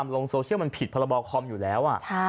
โรงโซเชียลมันผิดภาระบอคคอมอยู่แล้ว